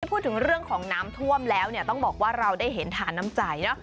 พูดถึงเรื่องของน้ำท่วมแล้วเนี่ยต้องบอกว่าเราได้เห็นทานน้ำใจเนอะ